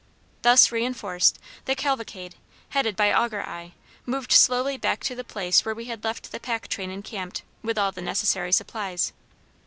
Thus reinforced, the cavalcade, headed by Augur eye, moved slowly back to the place where we had left the pack train encamped, with all the necessary supplies.